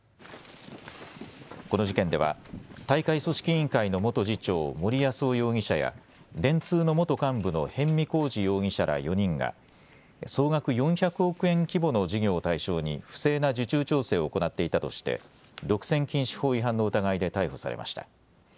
この事件では大会組織委員会の元次長、森泰夫容疑者や電通の元幹部の逸見晃治容疑者ら４人が総額４００億円規模の事業を対象に不正な受注調整を行っていたとして独占禁止法違反の疑いで逮捕されました。